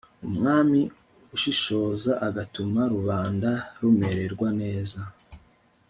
umwami ushishoza agatuma rubanda rumererwa neza